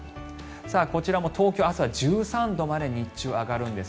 こちらも東京、明日は１３度まで日中は上がるんです。